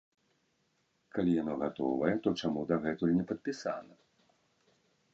Калі яно гатовае, то чаму дагэтуль не падпісана?